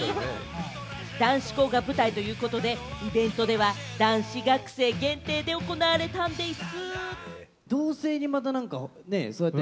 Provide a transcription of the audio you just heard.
男子校が舞台ということで、イベントでは男子学生限定で行われたんでぃす。